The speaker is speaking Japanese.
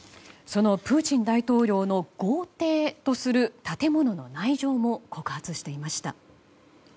そのプーチン大統領の豪邸とする建物の内情を告発していました。